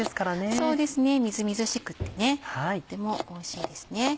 そうですねみずみずしくってとってもおいしいですね。